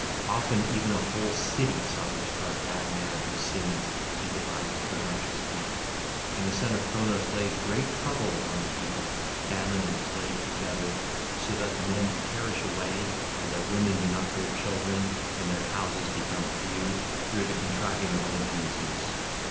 Often even a whole city suffers for a bad man who sins and devises presumptuous deeds, and the son of Cronos lays great trouble upon the people, famine and plague together, so that the men perish away, and their women do not bear children, and their houses become few, through the contriving of Olympian Zeus.